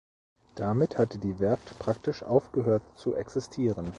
Damit hatte die Werft praktisch aufgehört zu existieren.